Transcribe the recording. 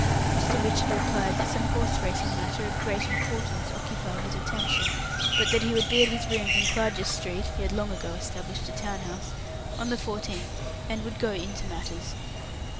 Mr. Richard replied that some horse racing matter of great importance occupied his attention, but that he would be at his rooms in Clarges Street (he had long ago established a town house) on the 14th, and would "go into matters".